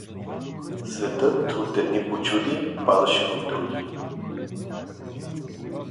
Светът от едни почуди падаше в други.